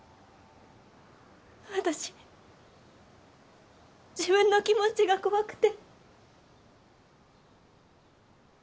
私自分の気持ちが怖くて。